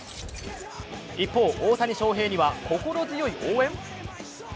一方、大谷翔平には心強い応援？